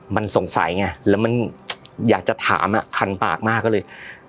มันสงสัยไงแล้วมันอยากจะถามอ่ะคันปากมากก็เลย